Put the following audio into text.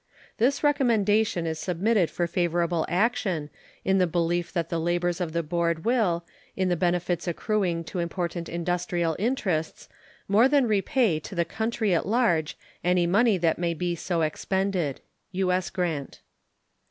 This recommendation is submitted for favorable action, in the belief that the labors of the board will, in the benefits accruing to important industrial interests, more than repay to the country at large any money that may be so expended. U.S. GRANT.